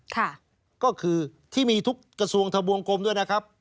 ค่ะก็คือที่มีทุกกระทรวงทะบวงกลมด้วยนะครับ